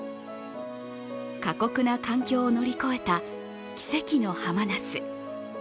過酷な環境を乗り越えた奇跡のハマナス。